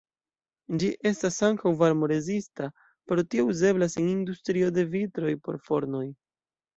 Ĝi estas ankaŭ varmo-rezista, pro tio uzeblas en industrio de vitroj por fornoj.